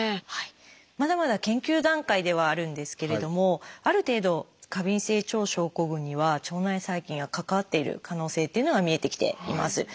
まだまだ研究段階ではあるんですけれどもある程度過敏性腸症候群には腸内細菌が関わっている可能性っていうのが見えてきています。